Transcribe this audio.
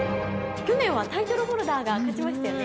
去年はタイトルホルダーが勝ちましたよね。